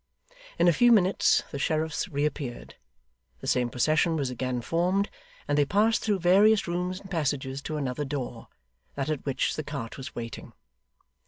In a few minutes the sheriffs reappeared, the same procession was again formed, and they passed through various rooms and passages to another door that at which the cart was waiting.